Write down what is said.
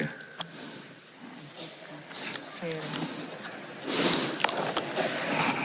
นะครับ